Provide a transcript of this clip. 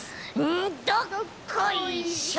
んどっこいしょ！